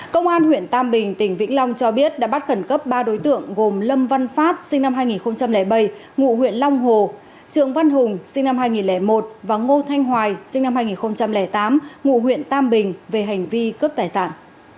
công an huyện tam bình tỉnh vĩnh long cho biết đã bắt khẩn cấp ba đối tượng gồm lâm văn phát sinh năm hai nghìn bảy ngụ huyện long hồ trường văn hùng sinh năm hai nghìn một và ngô thanh hoài sinh năm hai nghìn tám ngụ huyện tam bình về hành vi cướp tài sản